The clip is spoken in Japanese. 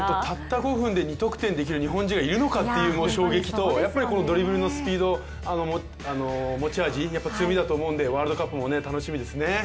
たった２分で２得点できる日本人がいるのかっていう衝撃とドリブルのスピード、持ち味強みだと思うんでワールドカップも楽しみですね。